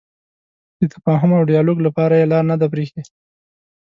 د تفاهم او ډیالوګ لپاره یې لاره نه ده پرېښې.